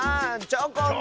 チョコン！